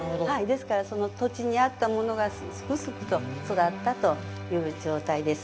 ですから、土地に合ったものがすくすくと育ったという状態です。